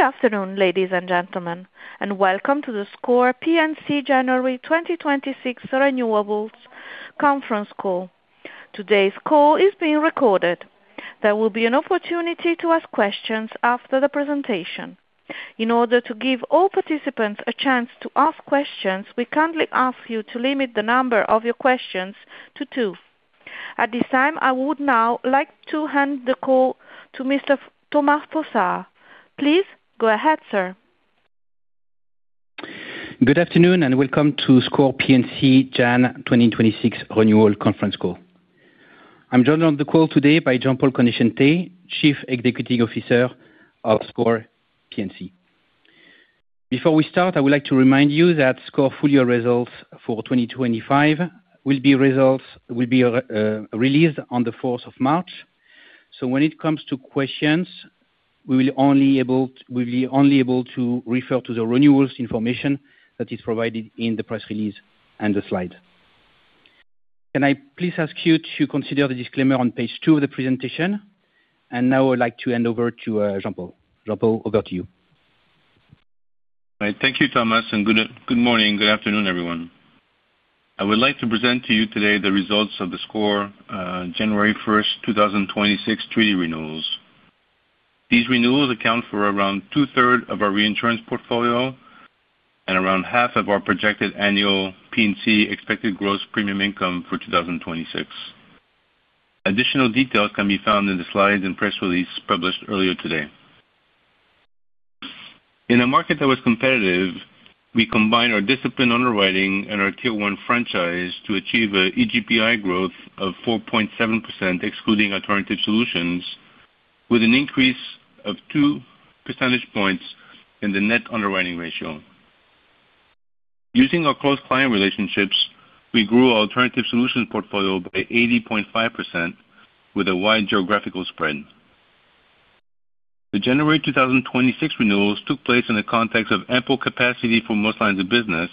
Good afternoon, ladies and gentlemen, and welcome to the SCOR P&C January 2026 Renewals Conference Call. Today's call is being recorded. There will be an opportunity to ask questions after the presentation. In order to give all participants a chance to ask questions, we kindly ask you to limit the number of your questions to two. At this time, I would now like to hand the call to Mr. Thomas Fossard. Please go ahead, sir. Good afternoon, and welcome to SCOR P&C January 2026 Renewal Conference Call. I'm joined on the call today by Jean-Paul Conoscente, Chief Executive Officer of SCOR P&C. Before we start, I would like to remind you that SCOR full year results for 2025 will be released on the fourth of March. So when it comes to questions, we'll only be able to refer to the renewals information that is provided in the press release and the slide. Can I please ask you to consider the disclaimer on page 2 of the presentation? And now I would like to hand over to Jean-Paul. Jean-Paul, over to you. Right. Thank you, Thomas, and good, good morning. Good afternoon, everyone. I would like to present to you today the Results of The SCOR January 1, 2026 Treaty Renewals. These renewals account for around two-thirds of our reinsurance portfolio and around half of our projected annual P&C expected gross premium income for 2026. Additional details can be found in the slides and press release published earlier today. In a market that was competitive, we combined our disciplined underwriting and our Tier 1 franchise to achieve an EGPI growth of 4.7%, excluding Alternative Solutions, with an increase of two percentage points in the net underwriting ratio. Using our close client relationships, we grew our Alternative Solutions portfolio by 80.5% with a wide geographical spread. The January 2026 renewals took place in the context of ample capacity for most lines of business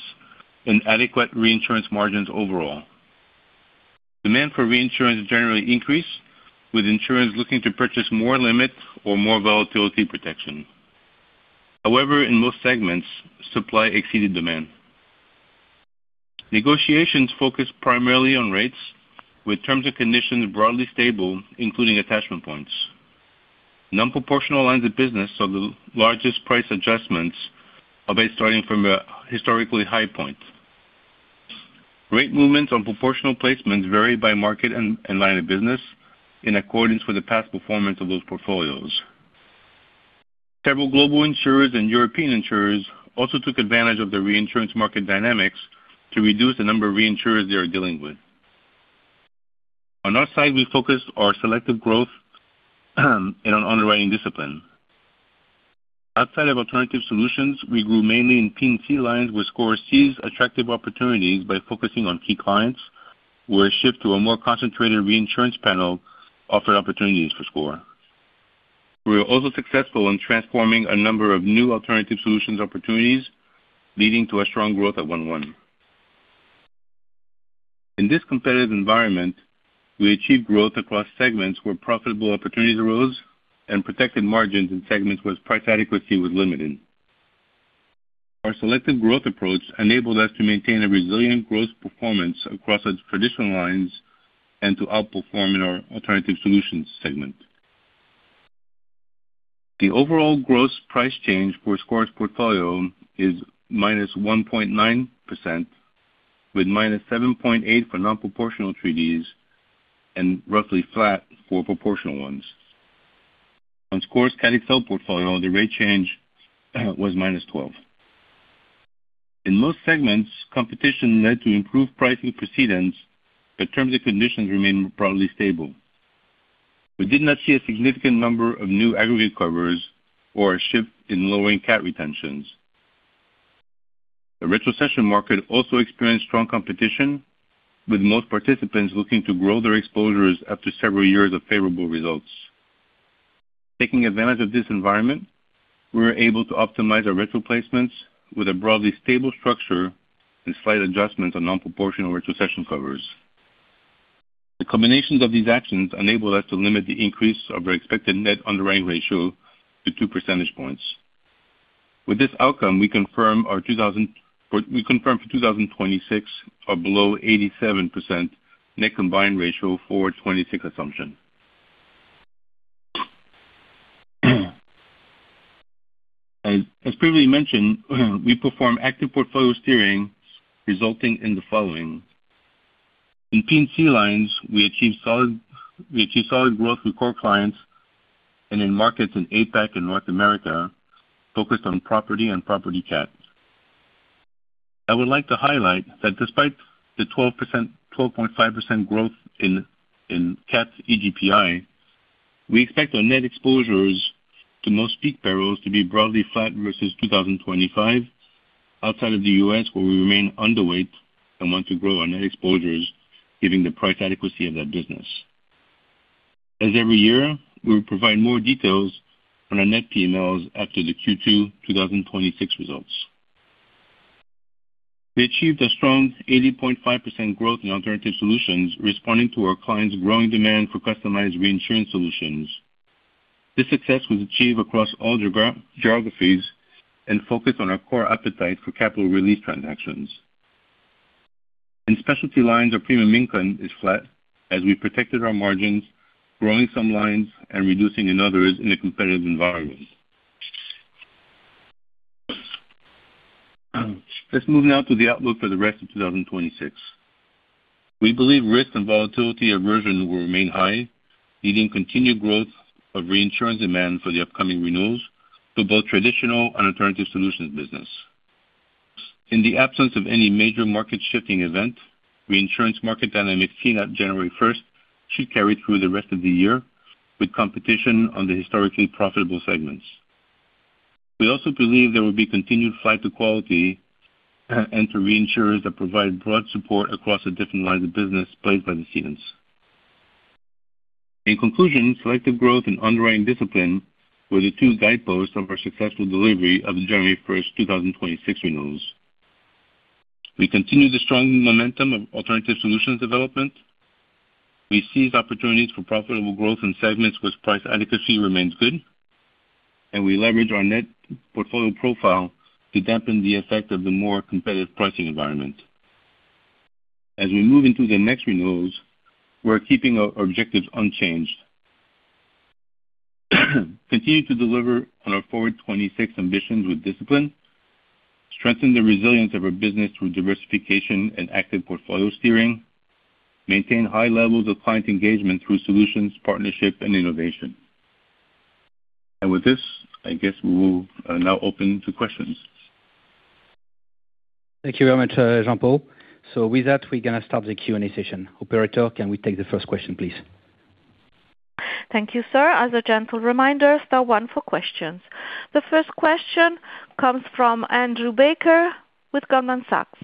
and adequate reinsurance margins overall. Demand for reinsurance generally increased, with insurers looking to purchase more limit or more volatility protection. However, in most segments, supply exceeded demand. Negotiations focused primarily on rates, with terms and conditions broadly stable, including attachment points. Non-proportional lines of business saw the largest price adjustments albeit starting from a historically high point. Rate movements on proportional placements vary by market and line of business in accordance with the past performance of those portfolios. Several global insurers and European insurers also took advantage of the reinsurance market dynamics to reduce the number of reinsurers they are dealing with. On our side, we focus our selective growth, and on underwriting discipline. Outside of Alternative Solutions, we grew mainly in P&C lines, where SCOR sees attractive opportunities by focusing on key clients, where a shift to a more concentrated reinsurance panel offered opportunities for SCOR. We were also successful in transforming a number of new Alternative Solutions opportunities, leading to a strong growth at 11%. In this competitive environment, we achieved growth across segments where profitable opportunities arose and protected margins in segments where price adequacy was limited. Our selective growth approach enabled us to maintain a resilient growth performance across its traditional lines and to outperform in our Alternative Solutions segment. The overall gross price change for SCOR's portfolio is -1.9%, with -7.8% for non-proportional treaties and roughly flat for proportional ones. On SCOR's Cat XL portfolio, the rate change was -12%. In most segments, competition led to improved pricing precedents, but terms and conditions remained broadly stable. We did not see a significant number of new aggregate covers or a shift in lowering cat retentions. The retrocession market also experienced strong competition, with most participants looking to grow their exposures after several years of favorable results. Taking advantage of this environment, we were able to optimize our retro placements with a broadly stable structure and slight adjustments on non-proportional retrocession covers. The combinations of these actions enabled us to limit the increase of our expected net underwriting ratio to two percentage points. With this outcome, we confirm our 2026... We confirm for 2026 our below 87% net combined ratio for 2026 assumption. As previously mentioned, we perform active portfolio steering, resulting in the following. In P&C lines, we achieve solid growth with core clients and in markets in APAC and North America, focused on Property and Property Cat. I would like to highlight that despite the 12.5% growth in cat EGPI, we expect our net exposures to most peak perils to be broadly flat versus 2025, outside of the US, where we remain underweight and want to grow our net exposures, giving the price adequacy of that business. As every year, we will provide more details on our net PMLs after the Q2 2026 results. We achieved a strong 80.5% growth in Alternative Solutions, responding to our clients' growing demand for customized reinsurance solutions. This success was achieved across all geographies and focused on our core appetite for capital release transactions. In Specialty Lines, our premium income is flat as we protected our margins, growing some lines and reducing in others in a competitive environment. Let's move now to the outlook for the rest of 2026. We believe risk and volatility aversion will remain high, leading continued growth of reinsurance demand for the upcoming renewals for both traditional and Alternative Solutions business. In the absence of any major market shifting event, reinsurance market dynamics seen at January 1 should carry through the rest of the year, with competition on the historically profitable segments. We also believe there will be continued flight to quality and to reinsurers that provide broad support across the different lines of business played by the cedants. In conclusion, selective growth and underwriting discipline were the two guideposts of our successful delivery of the January 1, 2026 renewals. We continue the strong momentum of Alternative Solutions development. We seize opportunities for profitable growth in segments where price adequacy remains good, and we leverage our net portfolio profile to dampen the effect of the more competitive pricing environment. As we move into the next renewals, we're keeping our objectives unchanged. Continue to deliver on our forward 2026 ambitions with discipline, strengthen the resilience of our business through diversification and active portfolio steering, maintain high levels of client engagement through solutions, partnership, and innovation. With this, I guess we will now open to questions. Thank you very much, Jean-Paul. So with that, we're gonna start the Q&A session. Operator, can we take the first question, please? Thank you, sir. As a gentle reminder, star one for questions. The first question comes from Andrew Baker with Goldman Sachs.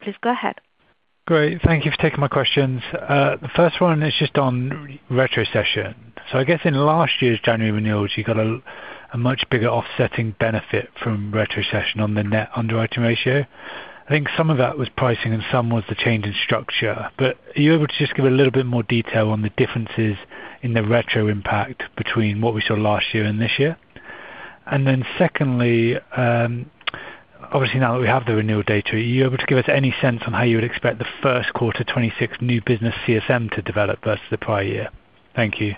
Please go ahead. Great, thank you for taking my questions. The first one is just on retrocession. So I guess in last year's January renewals, you got a much bigger offsetting benefit from retrocession on the net underwriting ratio. I think some of that was pricing and some was the change in structure, but are you able to just give a little bit more detail on the differences in the retro impact between what we saw last year and this year? And then secondly, obviously now that we have the renewal data, are you able to give us any sense on how you would expect the first quarter 2026 new business CSM to develop versus the prior year? Thank you.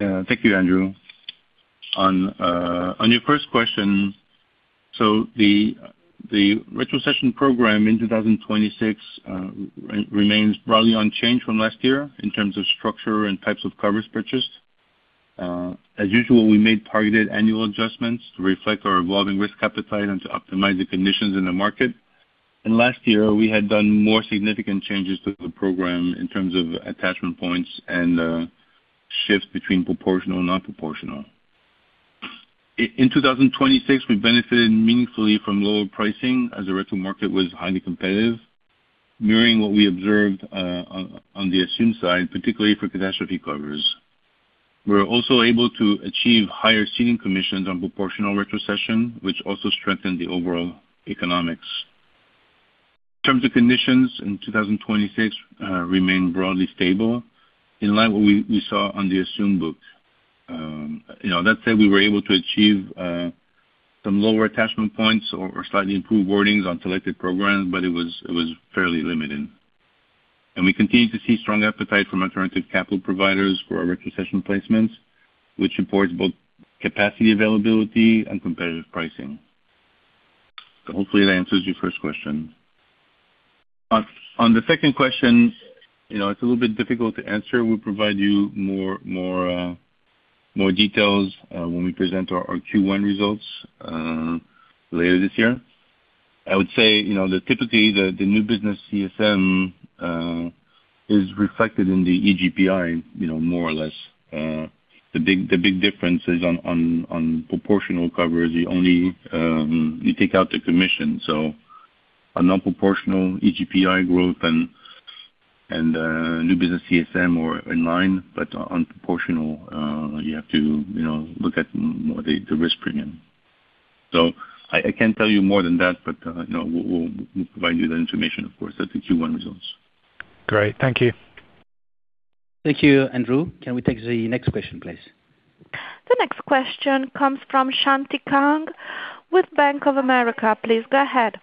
Thank you, Andrew. On your first question, so the retrocession program in 2026 remains broadly unchanged from last year in terms of structure and types of coverage purchased. As usual, we made targeted annual adjustments to reflect our evolving risk appetite and to optimize the conditions in the market. Last year, we had done more significant changes to the program in terms of attachment points and shifts between proportional and non-proportional. In 2026, we benefited meaningfully from lower pricing as the retro market was highly competitive, mirroring what we observed on the assumed side, particularly for catastrophe covers. We were also able to achieve higher ceding commissions on proportional retrocession, which also strengthened the overall economics. In terms of conditions in 2026, remained broadly stable, in line with what we, we saw on the assumed books. You know, that said, we were able to achieve some lower attachment points or, or slightly improved wordings on selected programs, but it was, it was fairly limited. And we continued to see strong appetite from alternative capital providers for our retrocession placements, which supports both capacity, availability, and competitive pricing. So hopefully that answers your first question. On, on the second question, you know, it's a little bit difficult to answer. We'll provide you more, more details when we present our Q1 results later this year. I would say, you know, that typically the new business CSM is reflected in the EGPI, you know, more or less. The big difference is on proportional coverage. You only take out the commission, so a non-proportional EGPI growth and new business CSM are in line, but on proportional, you have to, you know, look at more the risk premium. So I can't tell you more than that, but you know, we'll provide you the information, of course, at the Q1 results. Great. Thank you. Thank you, Andrew. Can we take the next question, please? The next question comes from Shanti Kang with Bank of America. Please go ahead.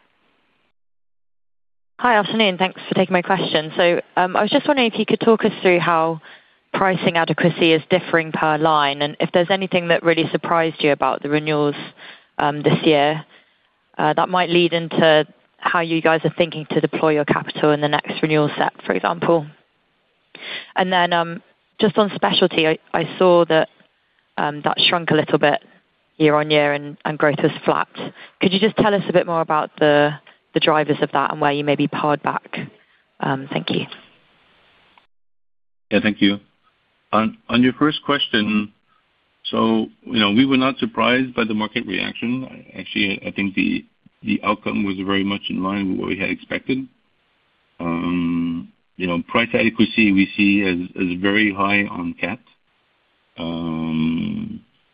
Hi, afternoon. Thanks for taking my question. So, I was just wondering if you could talk us through how pricing adequacy is differing per line, and if there's anything that really surprised you about the renewals, this year, that might lead into how you guys are thinking to deploy your capital in the next renewal set, for example? And then, just on specialty, I saw that shrunk a little bit year-on-year and growth was flat. Could you just tell us a bit more about the drivers of that and where you may be pared back? Thank you. Yeah, thank you. On your first question, so, you know, we were not surprised by the market reaction. Actually, I think the outcome was very much in line with what we had expected. You know, price adequacy we see as very high on cat.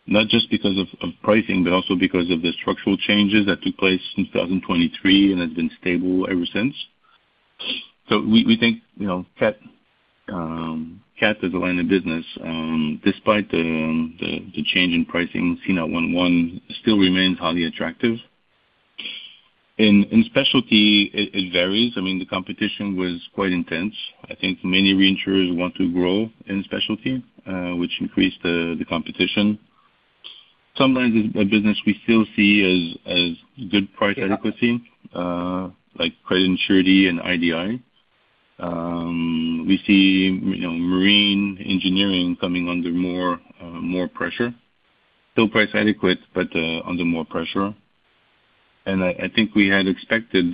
Not just because of pricing, but also because of the structural changes that took place in 2023, and has been stable ever since. So we think, you know, cat as a line of business, despite the change in pricing, combined ratio not 101 still remains highly attractive. In specialty, it varies. I mean, the competition was quite intense. I think many reinsurers want to grow in specialty, which increased the competition. Sometimes a business we still see as good price adequacy, like Credit and Surety and IDI. We see, you know, Marine Engineering coming under more, more pressure. Still price adequate, but under more pressure. And I think we had expected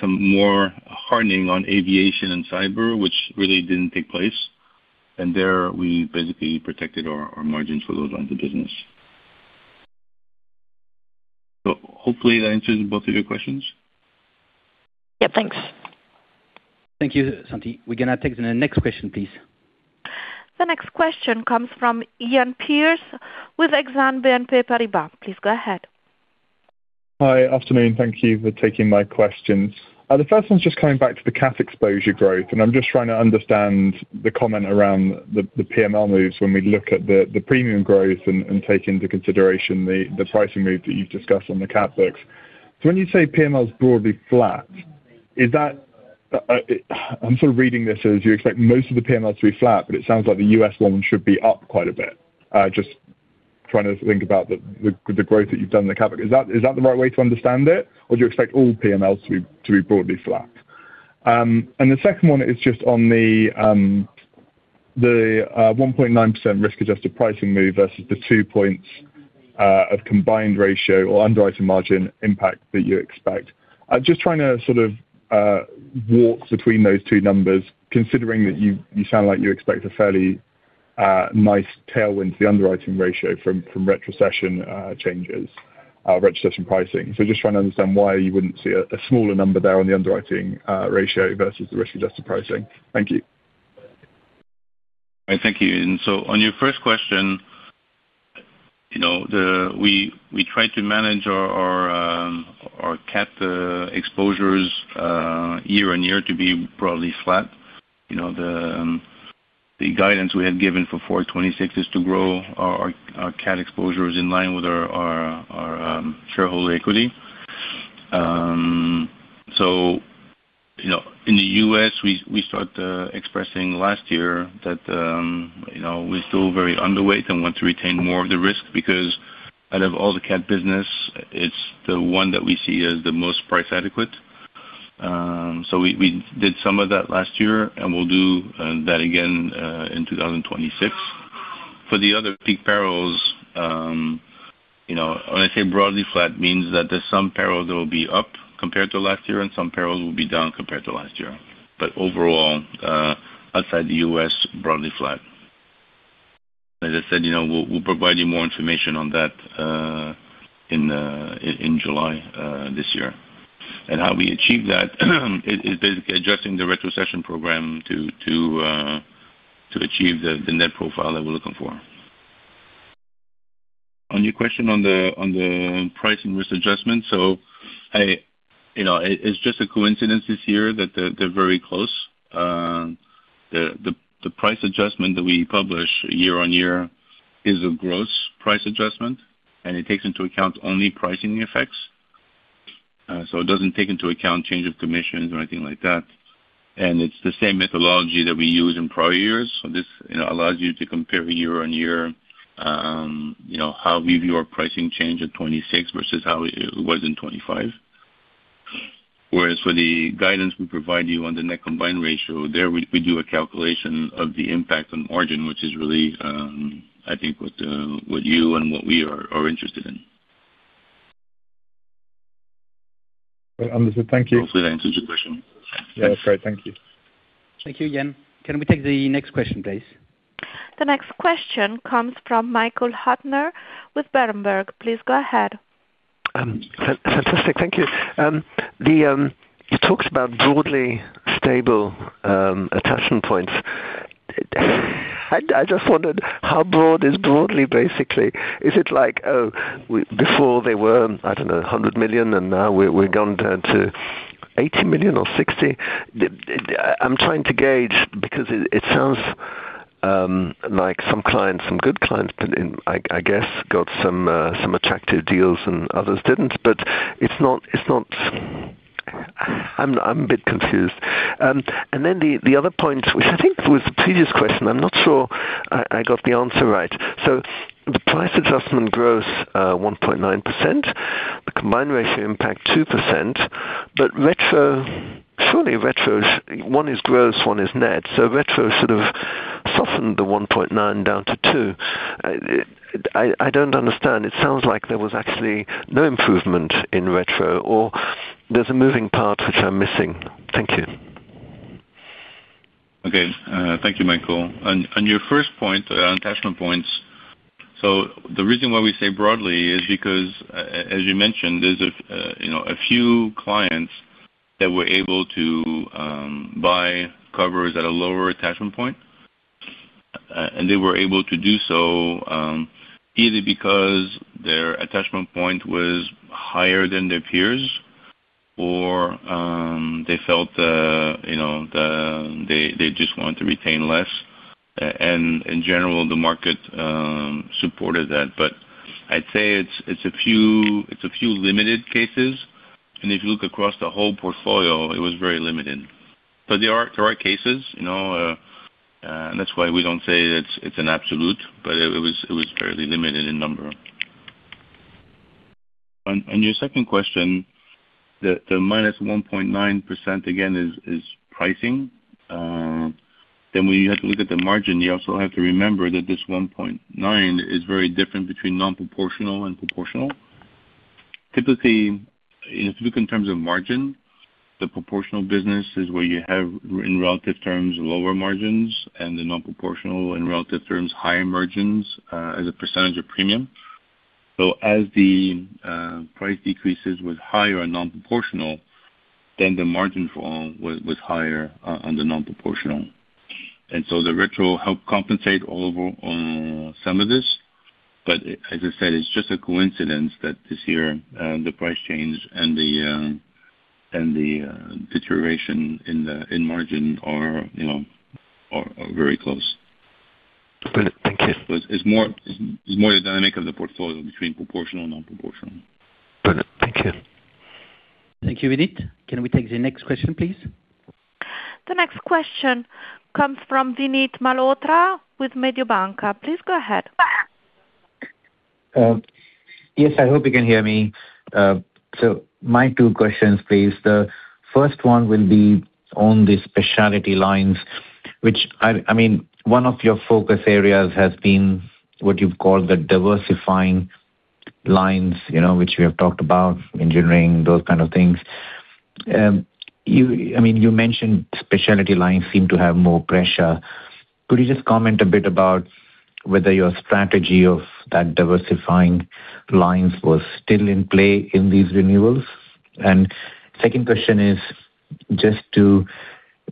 some more hardening on Aviation and Cyber, which really didn't take place, and there we basically protected our margins for those lines of business. So hopefully that answers both of your questions. Yeah, thanks. Thank you, Shanti. We can now take the next question, please. The next question comes from Iain Pearce with Exane BNP Paribas. Please go ahead. Hi. Afternoon, thank you for taking my questions. The first one's just coming back to the cat exposure growth, and I'm just trying to understand the comment around the PML moves when we look at the premium growth and take into consideration the pricing move that you've discussed on the cat books. So when you say PML is broadly flat, is that... I'm sort of reading this as you expect most of the PML to be flat, but it sounds like the U.S. one should be up quite a bit. Just trying to think about the growth that you've done in the cat business. Is that the right way to understand it, or do you expect all PMLs to be broadly flat? And the second one is just on the 1.9% risk-adjusted pricing move versus the 2 points of combined ratio or underwriting margin impact that you expect. I'm just trying to sort of walk between those two numbers, considering that you sound like you expect a fairly nice tailwind to the underwriting ratio from retrocession changes, retrocession pricing. So just trying to understand why you wouldn't see a smaller number there on the underwriting ratio versus the risk-adjusted pricing. Thank you. All right, thank you. So on your first question, you know, we try to manage our cat exposures year-on-year to be broadly flat. You know, the guidance we had given for 2026 is to grow our cat exposures in line with our shareholder equity. So, you know, in the U.S., we started expressing last year that, you know, we're still very underweight and want to retain more of the risk, because out of all the cat business, it's the one that we see as the most price adequate. So we did some of that last year, and we'll do that again in 2026. For the other peak perils, you know, when I say broadly flat, means that there's some perils that will be up compared to last year, and some perils will be down compared to last year. But overall, outside the U.S., broadly flat. As I said, you know, we'll provide you more information on that in July this year. And how we achieve that is basically adjusting the retrocession program to achieve the net profile that we're looking for. On your question on the pricing risk adjustment. So you know, it's just a coincidence this year that they're very close. The price adjustment that we publish year on year is a gross price adjustment, and it takes into account only pricing effects. So it doesn't take into account change of commissions or anything like that. It's the same methodology that we used in prior years. So this, you know, allows you to compare year-on-year, you know, how we view our pricing change in 2026 versus how it, it was in 2025. Whereas for the guidance we provide you on the net combined ratio, there we, we do a calculation of the impact on margin, which is really, I think what, what you and what we are, are interested in. Well, understood. Thank you. Hopefully that answers your question. Yeah. Great. Thank you. Thank you, Ian. Can we take the next question, please? The next question comes from Michael Huttner with Berenberg. Please go ahead. Fantastic. Thank you. You talked about broadly stable attachment points. I just wondered how broad is broadly, basically? Is it like, oh, we, before they were, I don't know, $100 million, and now we've gone down to $80 million or $60 million? The... I'm trying to gauge, because it sounds like some clients, some good clients, but in I guess got some attractive deals and others didn't. But it's not, it's not... I'm a bit confused. And then the other point, which I think was the previous question, I'm not sure I got the answer right. So the price adjustment grows 1.9%, the combined ratio impact 2%, but retro, surely retro is one is gross, one is net. So retro sort of softened the 1.9 down to 2. I don't understand. It sounds like there was actually no improvement in retro or there's a moving part which I'm missing. Thank you. Okay, thank you, Michael. On your first point, on attachment points, so the reason why we say broadly is because as you mentioned, there's a you know, a few clients that were able to buy covers at a lower attachment point. And they were able to do so either because their attachment point was higher than their peers or they felt you know, they just want to retain less. And in general, the market supported that. But I'd say it's a few limited cases, and if you look across the whole portfolio, it was very limited. But there are cases, you know, and that's why we don't say it's an absolute, but it was fairly limited in number. On your second question, the -1.9%, again, is pricing. Then when you have to look at the margin, you also have to remember that this 1.9% is very different between non-proportional and proportional. Typically, if you look in terms of margin, the proportional business is where you have, in relative terms, lower margins and the non-proportional, in relative terms, higher margins as a percentage of premium. So as the price decreases with higher non-proportional, then the margin fall was higher on the non-proportional. And so the retro helped compensate all over on some of this, but as I said, it's just a coincidence that this year the price change and the deterioration in the margin are, you know, very close. Great. Thank you. So it's more, it's more the dynamic of the portfolio between proportional and non-proportional. Great. Thank you. Thank you, Vinit. Can we take the next question, please? The next question comes from Vinit Malhotra with Mediobanca. Please go ahead. Yes, I hope you can hear me. So my two questions, please. The first one will be on the specialty lines, which I mean, one of your focus areas has been what you've called the diversifying lines, you know, which we have talked about, engineering, those kind of things. I mean, you mentioned specialty lines seem to have more pressure. Could you just comment a bit about whether your strategy of that diversifying lines was still in play in these renewals? And second question is, just to,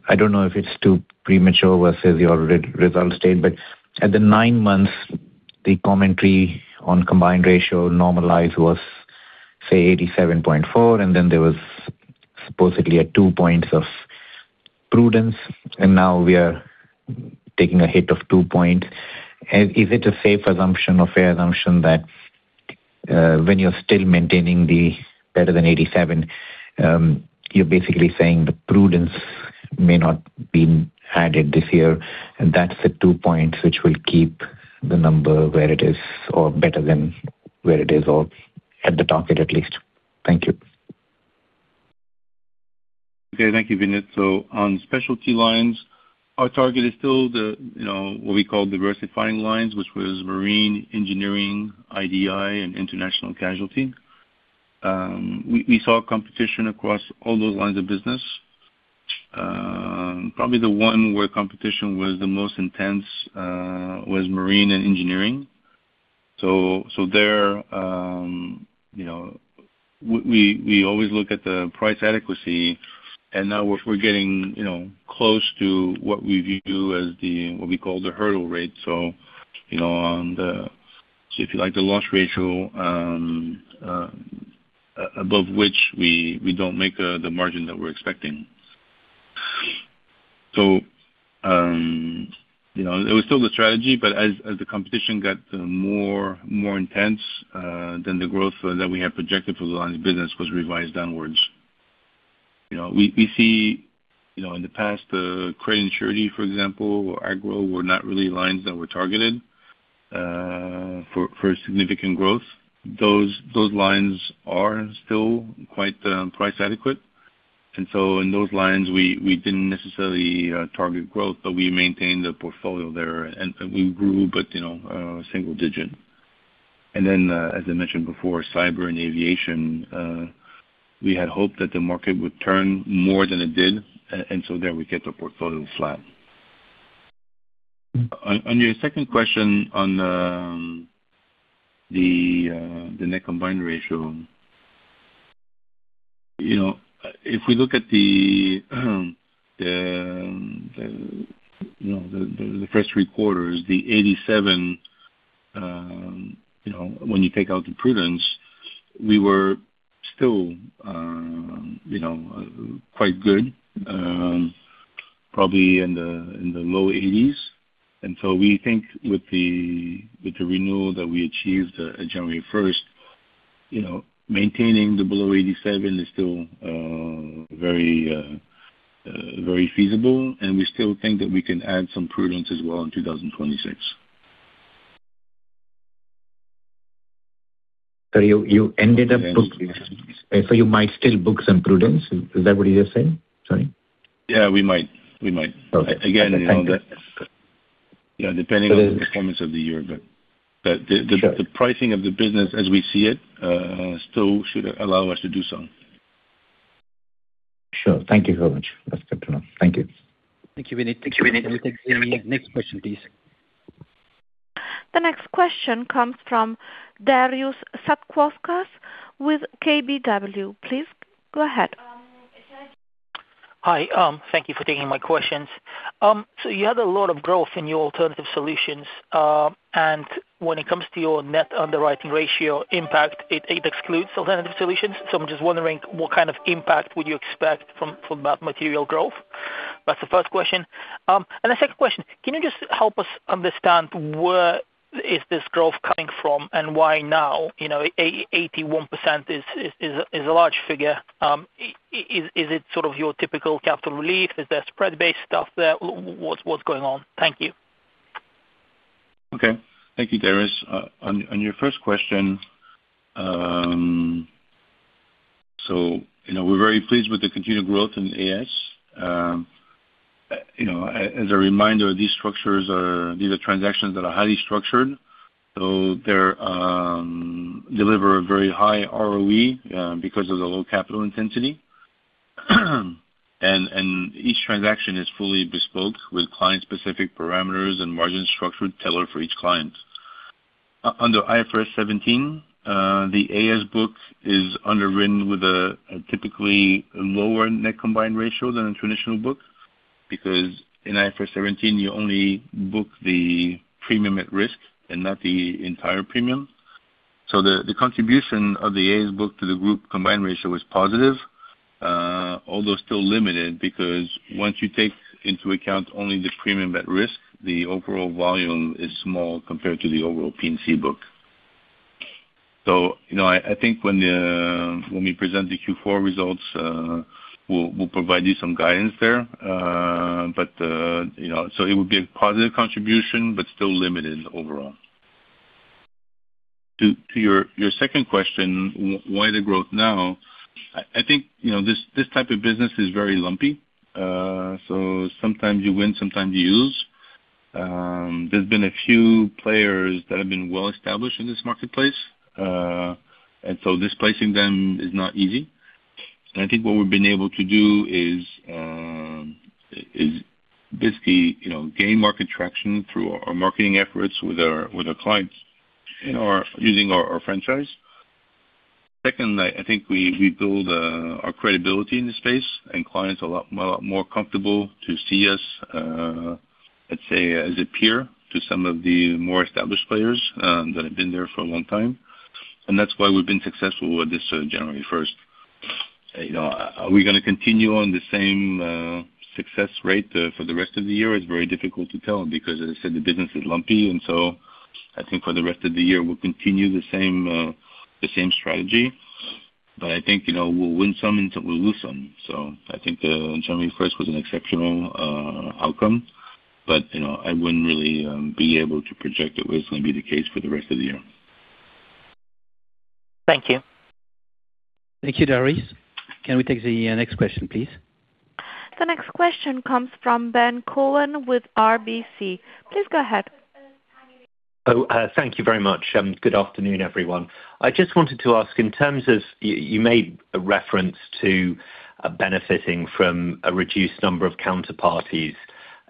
I don't know if it's too premature versus your year results stage, but at the nine months, the commentary on Combined Ratio normalized was, say, 87.4, and then there was supposedly 2 points of prudence, and now we are taking a hit of 2 point. Is it a safe assumption or fair assumption that, when you're still maintaining the better than 87, you're basically saying the prudence may not be added this year, and that's the 2 points which will keep the number where it is or better than where it is, or at the target at least? Thank you. Okay. Thank you, Vinit. So on specialty lines, our target is still the, you know, what we call diversifying lines, which was marine, engineering, IDI, and international casualty. We saw competition across all those lines of business. Probably the one where competition was the most intense was marine and engineering. So there, you know, we always look at the price adequacy, and now we're getting, you know, close to what we view as the, what we call the hurdle rate. So, you know, on the... So if you like the loss ratio above which we don't make the margin that we're expecting. So, you know, it was still the strategy, but as the competition got more intense, then the growth that we had projected for the line of business was revised downwards. You know, we see, you know, in the past, the Credit and Surety, for example, Agro, were not really lines that were targeted for significant growth. Those lines are still quite price adequate. And so in those lines, we didn't necessarily target growth, but we maintained the portfolio there, and we grew, but you know, single digit. And then, as I mentioned before, Cyber and Aviation, we had hoped that the market would turn more than it did, and so there we kept the portfolio flat. On your second question on the net combined ratio, you know, if we look at the first three quarters, the 87, you know, when you take out the prudence, we were still, you know, quite good, probably in the low 80s. And so we think with the renewal that we achieved at January 1st, you know, maintaining the below 87 is still very feasible, and we still think that we can add some prudence as well in 2026. So you might still book some prudence? Is that what you're saying? Sorry. Yeah, we might. We might. Okay. Again, you know, yeah, depending on the performance of the year. But the pricing of the business as we see it still should allow us to do so. Sure. Thank you so much. That's good to know. Thank you. Thank you, Vinit. Thank you, Vinit. Next question, please. The next question comes from Darius Satkauskas with KBW. Please, go ahead. Hi, thank you for taking my questions. So you had a lot of growth in your Alternative Solutions, and when it comes to your net underwriting ratio impact, it excludes Alternative Solutions. So I'm just wondering, what kind of impact would you expect from that material growth? That's the first question. And the second question, can you just help us understand where is this growth coming from and why now? You know, 81% is a large figure. Is it sort of your typical capital relief? Is there spread-based stuff there? What's going on? Thank you. Okay. Thank you, Darius. On your first question, so you know, we're very pleased with the continued growth in the AS. As a reminder, these are transactions that are highly structured, so they're deliver a very high ROE because of the low capital intensity. And each transaction is fully bespoke, with client-specific parameters and margin structure tailored for each client. Under IFRS 17, the AS book is underwritten with a typically lower net combined ratio than a traditional book, because in IFRS 17, you only book the premium at risk and not the entire premium. So the contribution of the AS book to the group combined ratio is positive, although still limited, because once you take into account only the premium at risk, the overall volume is small compared to the overall P&C book. So, you know, I think when we present the Q4 results, we'll provide you some guidance there. But, you know, so it would be a positive contribution, but still limited overall. To your second question, why the growth now? I think, you know, this type of business is very lumpy. So sometimes you win, sometimes you lose. There's been a few players that have been well established in this marketplace, and so displacing them is not easy. And I think what we've been able to do is basically, you know, gain market traction through our marketing efforts with our clients using our franchise. Second, I think we build our credibility in the space, and clients are a lot, lot more comfortable to see us, let's say, as a peer to some of the more established players that have been there for a long time. And that's why we've been successful with this January 1st. You know, are we gonna continue on the same success rate for the rest of the year? It's very difficult to tell because, as I said, the business is lumpy, and so I think for the rest of the year we'll continue the same strategy. But I think, you know, we'll win some and we'll lose some. So I think, January 1st was an exceptional outcome, but, you know, I wouldn't really be able to project it was going to be the case for the rest of the year. Thank you. Thank you, Darius. Can we take the next question, please? The next question comes from Ben Cohen with RBC. Please go ahead. Thank you very much, and good afternoon, everyone. I just wanted to ask, in terms of you made a reference to benefiting from a reduced number of counterparties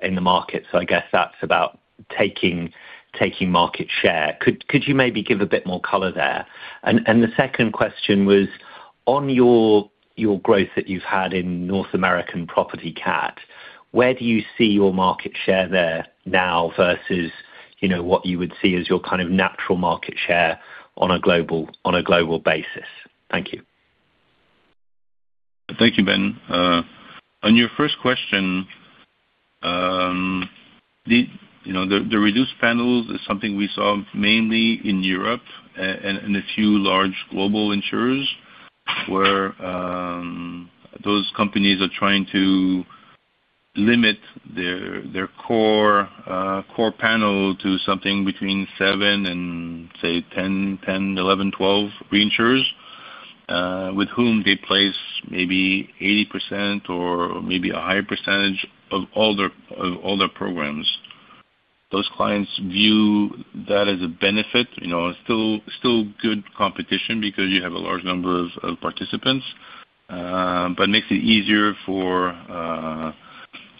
in the market, so I guess that's about taking market share. Could you maybe give a bit more color there? And the second question was, on your growth that you've had in North American Property Cat, where do you see your market share there now versus, you know, what you would see as your kind of natural market share on a global basis? Thank you. Thank you, Ben. On your first question, you know, the reduced panels is something we saw mainly in Europe and a few large global insurers, where those companies are trying to limit their core panel to something between 7 and, say, 10-11-12 reinsurers, with whom they place maybe 80% or maybe a higher percentage of all their programs. Those clients view that as a benefit, you know, still good competition because you have a large number of participants, but it makes it easier for,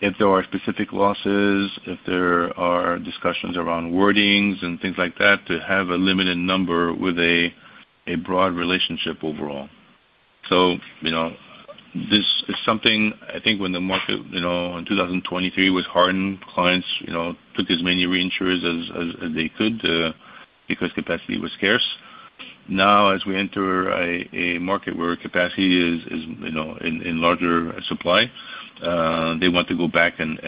if there are specific losses, if there are discussions around wordings and things like that, to have a limited number with a broad relationship overall. So, you know, this is something I think when the market, you know, in 2023 was hardened, clients, you know, took as many reinsurers as they could because capacity was scarce. Now, as we enter a market where capacity is, you know, in larger supply, they want to go back and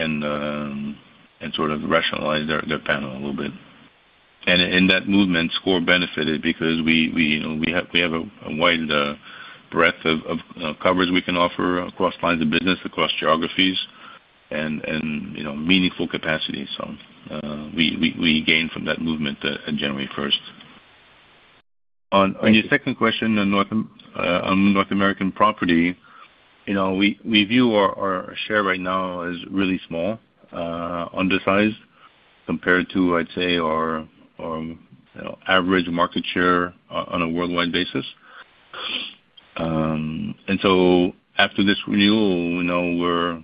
sort of rationalize their panel a little bit. In that movement, SCOR benefited because we, you know, we have a wide breadth of coverage we can offer across lines of business, across geographies and, you know, meaningful capacity. So, we gain from that movement at January 1st. On your second question on North American property, you know, we view our share right now as really small, under-sized, compared to, I'd say, our average market share on a worldwide basis. And so after this renewal, you know, we're,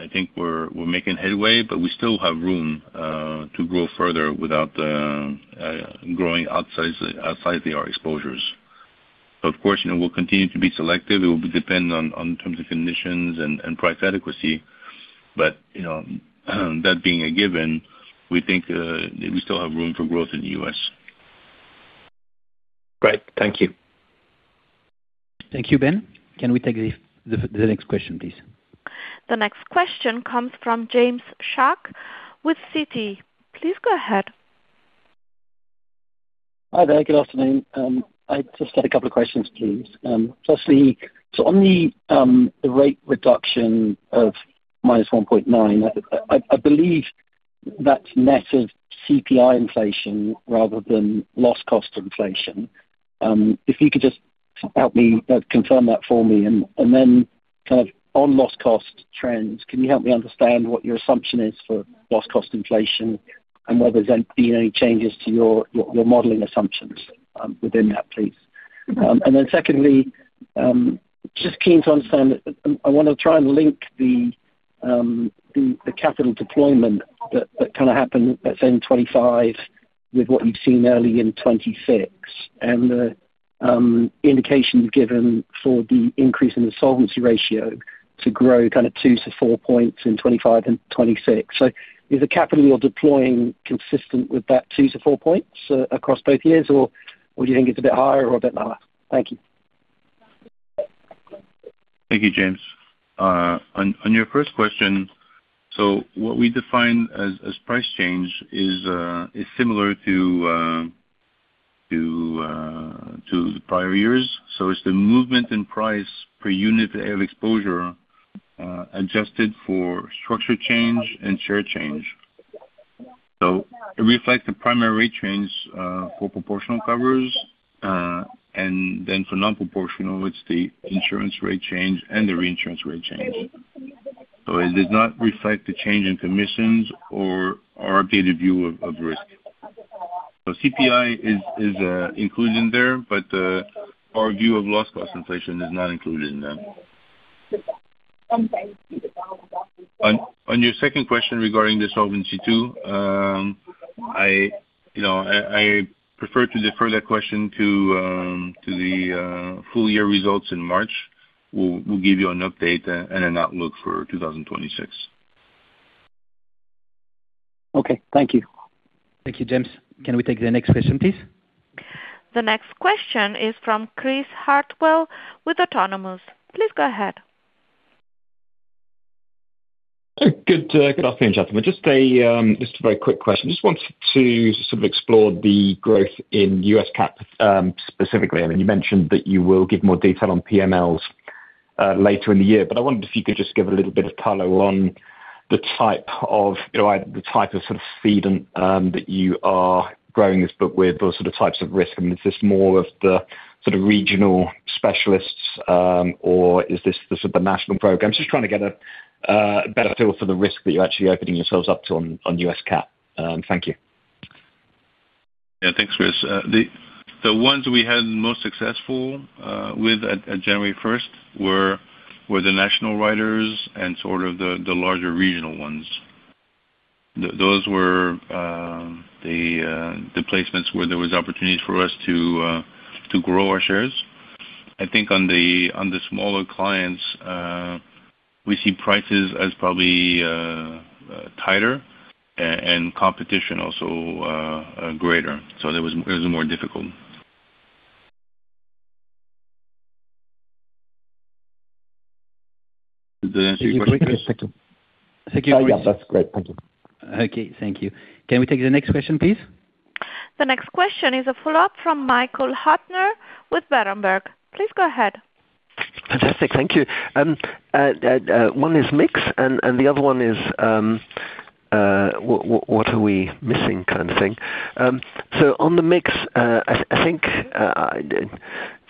I think we're making headway, but we still have room to grow further without growing outside our exposures. Of course, you know, we'll continue to be selective. It will depend on terms and conditions and price adequacy, but, you know, that being a given, we think we still have room for growth in the U.S. Great. Thank you. Thank you, Ben. Can we take the next question, please? The next question comes from James Shuck with Citi. Please go ahead. Hi there. Good afternoon. I just had a couple of questions, please. Firstly, so on the rate reduction of -1.9, I believe that's net of CPI inflation rather than loss cost inflation. If you could just help me confirm that for me, and then, kind of, on loss cost trends, can you help me understand what your assumption is for loss cost inflation and whether there's been any changes to your modeling assumptions within that, please? And then secondly, just keen to understand, I want to try and link the capital deployment that kind of happened at end 2025 with what you've seen early in 2026, and the indication given for the increase in the solvency ratio to grow kind of 2-4 points in 2025 and 2026. Is the capital you're deploying consistent with that 2-4 points across both years, or would you think it's a bit higher or a bit lower? Thank you. Thank you, James. On your first question, so what we define as price change is similar to the prior years. So it's the movement in price per unit of exposure, adjusted for structure change and share change. So it reflects the primary rate change for proportional covers, and then for non-proportional, it's the insurance rate change and the reinsurance rate change. So it does not reflect the change in commissions or our updated view of risk. So CPI is included in there, but our view of loss cost inflation is not included in that. On your second question regarding the Solvency II, you know, I prefer to defer that question to the full year results in March.We'll give you an update and an outlook for 2026. Okay. Thank you. Thank you, James. Can we take the next question, please? The next question is from Chris Hartwell with Autonomous. Please go ahead. Good afternoon, gentlemen. Just a very quick question. Just wanted to sort of explore the growth in U.S. cat, specifically. I mean, you mentioned that you will give more detail on PMLs later in the year, but I wondered if you could just give a little bit of color on the type of, you know, the type of sort of feed that you are growing this book with, or sort of types of risk. I mean, is this more of the sort of regional specialists, or is this the sort of national programs? Just trying to get a better feel for the risk that you're actually opening yourselves up to on U.S. cat. Thank you. Yeah, thanks, Chris. The ones we had most successful with at January 1st were the national writers and sort of the larger regional ones. Those were the placements where there was opportunities for us to grow our shares. I think on the smaller clients, we see prices as probably tighter and competition also greater. So it was more difficult. Did that answer your question? Thank you. That's great. Thank you. Okay, thank you. Can we take the next question, please? The next question is a follow-up from Michael Huttner with Berenberg. Please go ahead. Fantastic. Thank you. One is mix, and the other one is what are we missing kind of thing? So on the mix, I think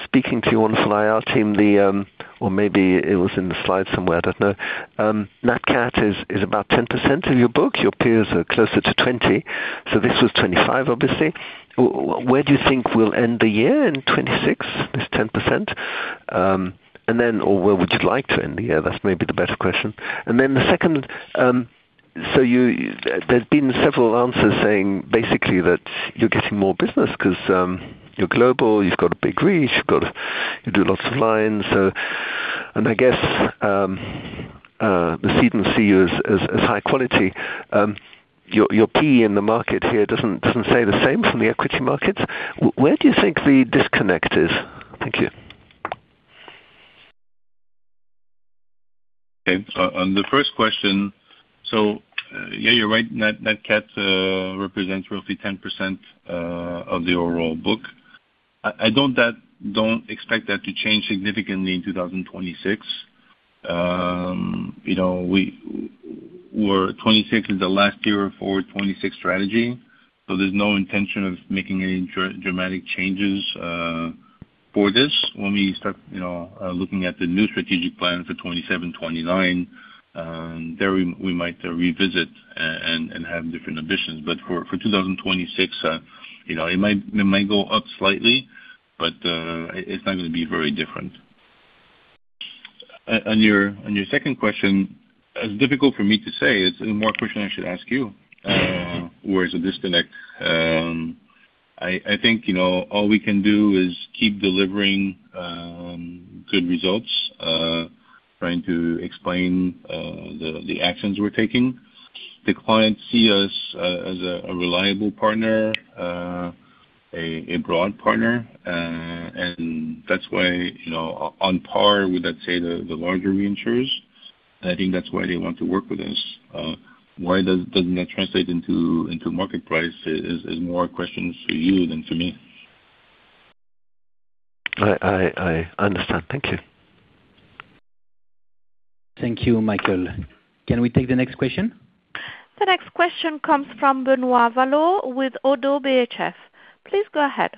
speaking to you on IR team, or maybe it was in the slide somewhere, I don't know. Nat Cat is about 10% of your book. Your peers are closer to 20%, so this was 25%, obviously. Where do you think we'll end the year in 2026, this 10%? Or where would you like to end the year? That's maybe the better question. And then the second, so you, there's been several answers saying basically that you're getting more business 'cause you're global, you've got a big reach, you've got a. You do lots of lines. I guess the cedant of seed is high quality. Your P/E in the market here doesn't say the same from the equity markets. Where do you think the disconnect is? Thank you. Okay. On the first question, so, yeah, you're right, Nat Cat represents roughly 10% of the overall book. I don't expect that to change significantly in 2026. You know, 2026 is the last year of our 2026 strategy, so there's no intention of making any dramatic changes for this. When we start, you know, looking at the new strategic plan for 2027, 2029, there we might revisit and have different ambitions. But for 2026, you know, it might go up slightly, but it's not gonna be very different. On your second question, it's difficult for me to say. It's a more question I should ask you. Mm-hmm. Where is the disconnect? I think, you know, all we can do is keep delivering good results, trying to explain the actions we're taking. The clients see us as a reliable partner, a broad partner, and that's why, you know, on par with, let's say, the larger reinsurers, and I think that's why they want to work with us. Why doesn't that translate into market prices? That's more questions to you than to me. I understand. Thank you. Thank you, Michael. Can we take the next question? The next question comes from Benoit Valleaux with Oddo BHF. Please go ahead.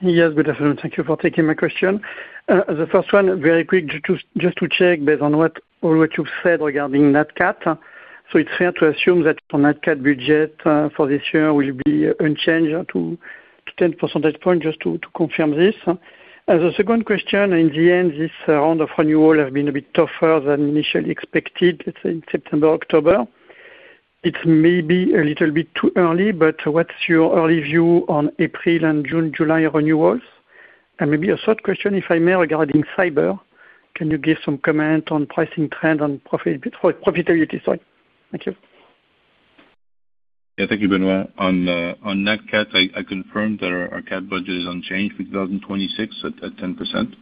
Yes, good afternoon. Thank you for taking my question. The first one, very quick, just to, just to check based on what, on what you've said regarding Nat Cat. So it's fair to assume that the NatCat budget, for this year will be unchanged to 10% point, just to, to confirm this. The second question, in the end, this round of renewal has been a bit tougher than initially expected, let's say in September, October. It's maybe a little bit too early, but what's your early view on April and June, July renewals? And maybe a third question, if I may, regarding cyber: Can you give some comment on pricing trend on profit, profitability, sorry. Thank you. Yeah, thank you, Benoit. On Nat Cat, I confirm that our cat budget is unchanged for 2026 at 10%.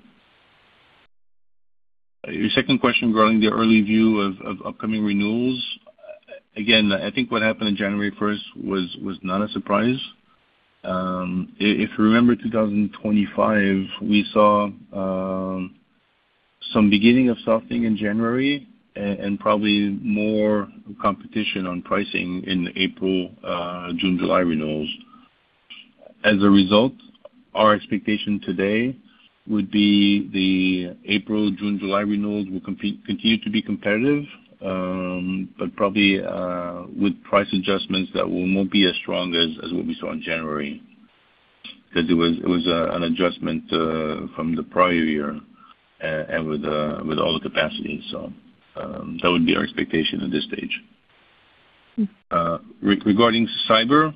Your second question regarding the early view of upcoming renewals, again, I think what happened on January 1st was not a surprise. If you remember 2025, we saw some beginning of softening in January and probably more competition on pricing in April, June, July renewals. As a result, our expectation today would be the April, June, July renewals will continue to be competitive, but probably with price adjustments that will not be as strong as what we saw in January. Because it was an adjustment from the prior year and with all the capacities. So, that would be our expectation at this stage. Regarding cyber,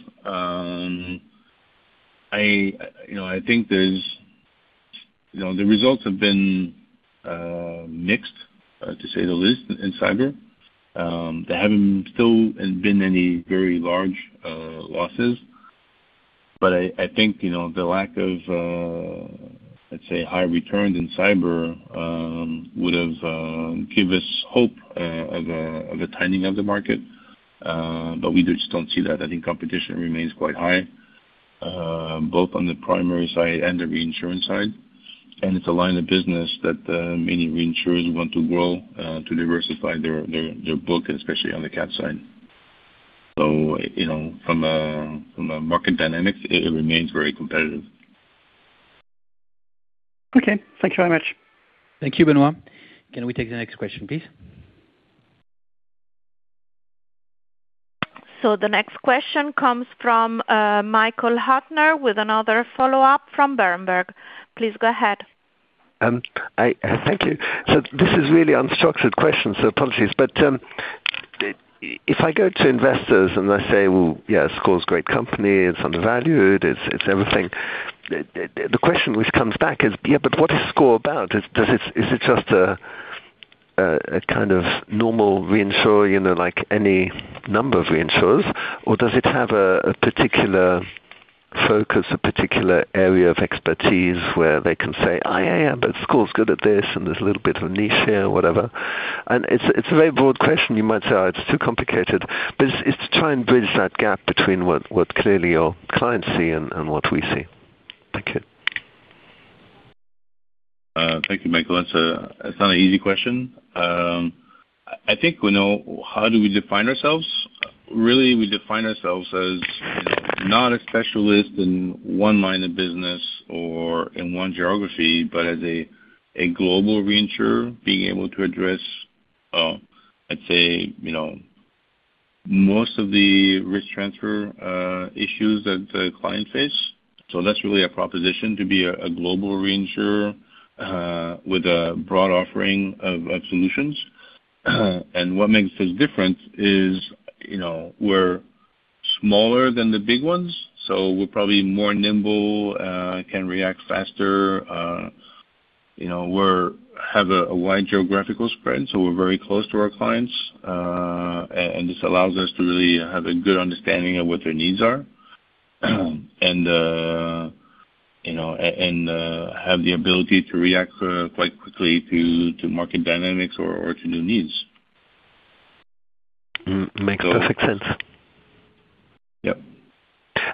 you know, I think there's... You know, the results have been mixed, to say the least, in cyber. There haven't still been any very large losses, but I think, you know, the lack of, let's say, high returns in cyber, would have give us hope of a tightening of the market, but we just don't see that. I think competition remains quite high, both on the primary side and the reinsurance side. And it's a line of business that many reinsurers want to grow to diversify their book, especially on the cat side. So, you know, from a market dynamic, it remains very competitive. Okay. Thank you very much. Thank you, Benoit. Can we take the next question, please? The next question comes from Michael Huttner, with another follow-up from Berenberg. Please go ahead. Thank you. So this is really unstructured question, so apologies. But, if I go to investors and I say, "Well, yes, SCOR's a great company, it's undervalued, it's everything," the question which comes back is: Yeah, but what is SCOR about? Does it. Is it just a kind of normal reinsurer, you know, like any number of reinsurers? Or does it have a particular focus, a particular area of expertise where they can say, "Oh, yeah, yeah, but SCOR's good at this, and there's a little bit of a niche here," or whatever? And it's a very broad question, you might say. It's too complicated, but it's to try and bridge that gap between what clearly your clients see and what we see. Thank you. Thank you, Michael. That's, it's not an easy question. I think we know, how do we define ourselves? Really, we define ourselves as not a specialist in one line of business or in one geography, but as a global reinsurer, being able to address, I'd say, you know, most of the risk transfer issues that the clients face. So that's really our proposition, to be a global reinsurer with a broad offering of solutions. And what makes us different is, you know, we're smaller than the big ones, so we're probably more nimble, can react faster. You know, we have a wide geographical spread, so we're very close to our clients, and this allows us to really have a good understanding of what their needs are. And you know, have the ability to react quite quickly to market dynamics or to new needs. Hmm, makes perfect sense.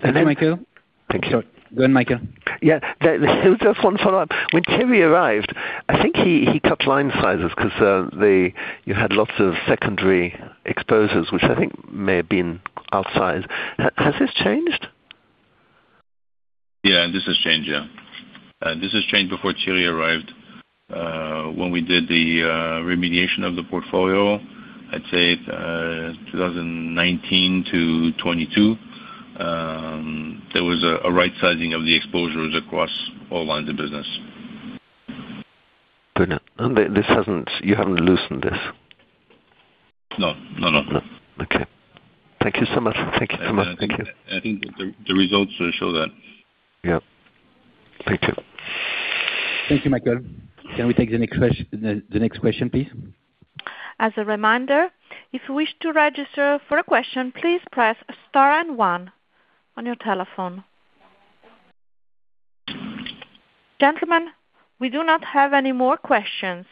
Yep. Thank you, Michael. Thank you. Sorry. Go ahead, Michael. Yeah, there's just one follow-up. When Thierry arrived, I think he cut line sizes 'cause you had lots of secondary exposures, which I think may have been outsized. Has this changed? Yeah, this has changed, yeah. This has changed before Thierry arrived. When we did the remediation of the portfolio, I'd say, 2019 to 2022, there was a right-sizing of the exposures across all lines of business. Brilliant. And this hasn't, you haven't loosened this? No. No, no. No. Okay. Thank you so much. Thank you so much. Thank you. I think the results will show that. Yep. Thank you. Thank you, Michael. Can we take the next question, please? As a reminder, if you wish to register for a question, please press star and one on your telephone. Gentlemen, we do not have any more questions.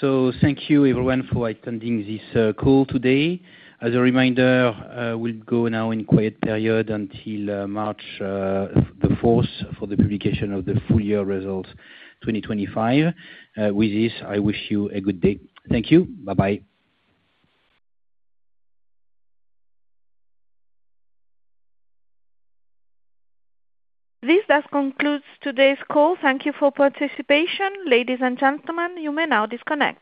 So thank you everyone for attending this call today. As a reminder, we'll go now in quiet period until March the fourth, 2025, for the publication of the full year results. With this, I wish you a good day. Thank you. Bye-bye. This does conclude today's call. Thank you for participation. Ladies and gentlemen, you may now disconnect.